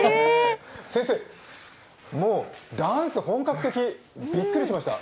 先生、もうダンス本格的、びっくりしました。